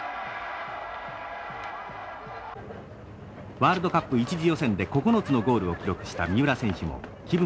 ワールドカップ１次予選で９つのゴールを記録した三浦選手も気分